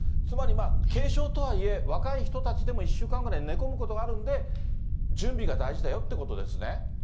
つまりまあ、軽症とはいえ、若い人たちでも１週間ぐらい寝込むことがあるので、準備が大事だよってことですね。